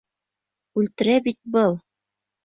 Үлтерә бит был!